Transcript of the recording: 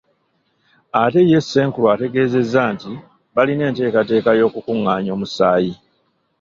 Ate ye Ssenkulu ategeezezza nti balina enteekateeka y’okukungaanya omusaayi.